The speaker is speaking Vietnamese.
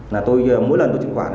là tôi mỗi lần tôi truyền khoản